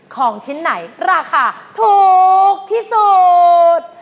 ของชิ้นไหนราคาถูกที่สุด